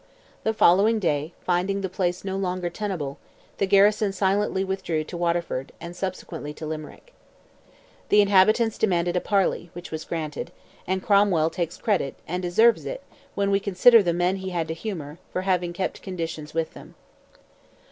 The following day, finding the place no longer tenable, the garrison silently withdrew to Waterford, and subsequently to Limerick. The inhabitants demanded a parley, which was granted; and Cromwell takes credit, and deserves it, when we consider the men he had to humour, for having kept conditions with them.